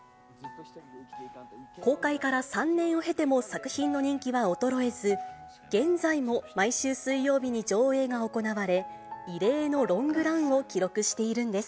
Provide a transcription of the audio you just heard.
公開から３年を経ても、作品の人気は衰えず、現在も毎週水曜日に上映が行われ、異例のロングランを記録しているんです。